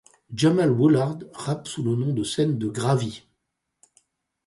Jamal Woolard rappe sous le nom de scène de Gravy.